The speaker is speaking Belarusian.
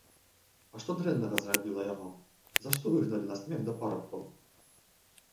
А што дрэннага зрабіла я вам, за што выгналі на смех да парабкаў!